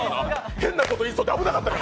変なこと言いそうで危なかったよ。